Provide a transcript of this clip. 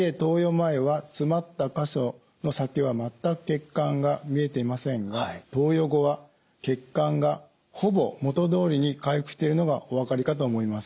前は詰まった箇所の先は全く血管が見えていませんが投与後は血管がほぼ元どおりに回復しているのがお分かりかと思います。